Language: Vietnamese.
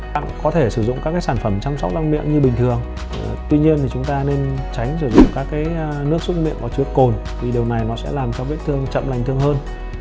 tặc có thể sử dụng các sản phẩm chăm sóc lăng miệng như bình thường tuy nhiên thì chúng ta nên tránh sử dụng các nước xúc miệng có chứa cồn vì điều này nó sẽ làm cho vết thương chậm lành thương hơn